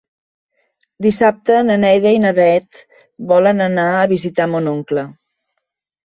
Dissabte na Neida i na Bet volen anar a visitar mon oncle.